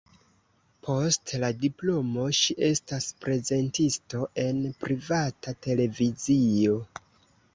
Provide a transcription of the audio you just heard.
Post la diplomo ŝi estas prezentisto en privata televizio.